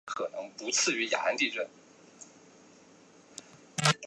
随后顾琛都留家照顾年迈母亲。